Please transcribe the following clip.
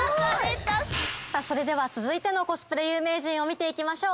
それでは続いてのコスプレ有名人見て行きましょう。